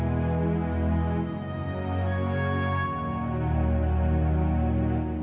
makasih untuk push pressured us